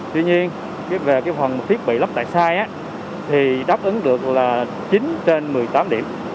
tuy nhiên về cái phần thiết bị lắp tại sai thì đáp ứng được là chín trên một mươi tám điểm